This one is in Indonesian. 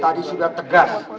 tadi sudah tegas